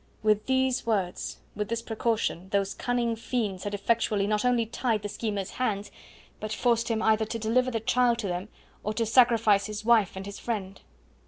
With these words, with this precaution, those cunning fiends had effectually not only tied the schemer's hands, but forced him either to deliver the child to them or to sacrifice his wife and his friend.